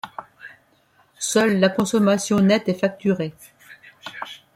Seule la consommation nette est facturée.